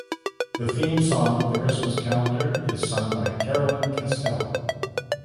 The theme song of the Christmas calendar is sung by Caroline Castell.